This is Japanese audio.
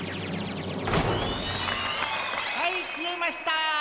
はいきえました！